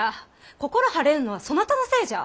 心晴れぬのはそなたのせいじゃ。